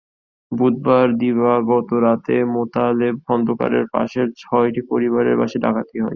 বুধবার দিবাগত রাতে মোতালেব খন্দকারের পাশের ছয়টি পরিবারের বাসায় ডাকাতি হয়।